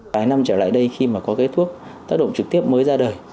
vài năm trở lại đây khi mà có cái thuốc tác động trực tiếp mới ra đời